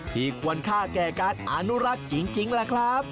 ควรค่าแก่การอนุรักษ์จริงแหละครับ